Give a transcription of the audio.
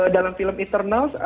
dalam film eternal